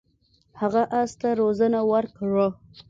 هغه اس ته روزنه ورکړه.